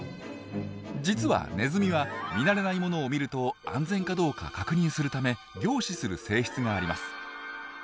実はネズミは見慣れないものを見ると安全かどうか確認するため凝視する性質があります。